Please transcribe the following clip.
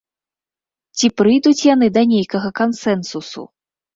Ці прыйдуць яны да нейкага кансэнсусу?